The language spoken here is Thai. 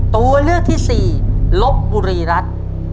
ตัวเลือกที่สี่ลบบุรีรัฐ